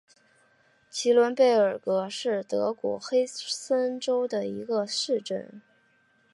齐伦贝尔格是德国黑森州的一个市镇。